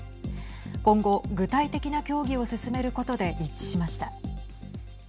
今後、具体的な協議を進めることで一致しました。